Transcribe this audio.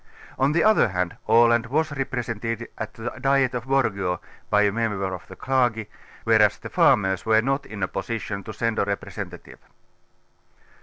On the other hand Aland was re presented at the Diet of Borga by a member of the clergy, whereas the farmers were not in a position to send a re presentative.